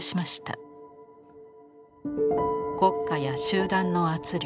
国家や集団の圧力。